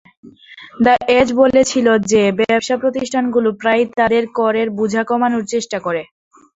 The Age বলেছিল যে, ব্যাবসা প্রতিষ্ঠানগুলো প্রায়ই তাদের করের বোঝা কমানোর চেষ্টা করে।